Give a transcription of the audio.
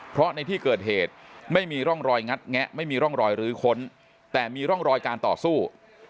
เพราะในที่เกิดเหตุไม่มีร่องรอยงัดแงะไม่มีร่องรอยลื้อค้นแต่มีร่องรอยการต่อสู้